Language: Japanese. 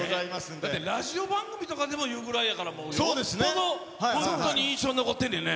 だってラジオ番組とかでも言うぐらいやから、よっぽど本当に印象に残ってんねんね。